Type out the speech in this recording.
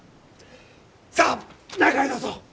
さあ中へどうぞ！